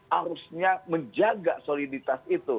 harusnya menjaga soliditas pemerintah